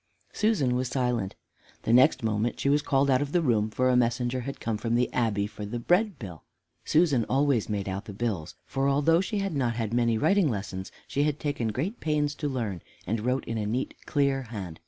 Susan was silent. The next moment she was called out of the room, for a messenger had come from the Abbey for the bread bill. Susan always made out the bills, for although she had not had many writing lessons, she had taken great pains to learn, and wrote in a neat, clear hand.